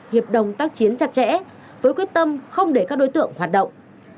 hiệp đồng tác chiến chặt chẽ với quyết tâm không để các đối tượng hoạt động